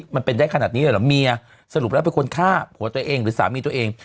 มันเป็นได้ขนาดนี้เลยเหรอเมียสรุปแล้วเป็นคนฆ่าผัวตัวเองหรือสามีตัวเอง